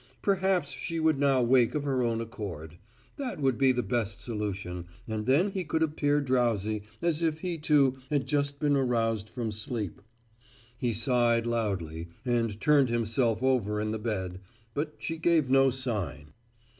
Perhaps she would now wake of her own accord. That would be the best solution, and then he could appear drowsy, as if he, too, had just been aroused from sleep. He sighed loudly and turned himself over in the bed, but she gave no sign.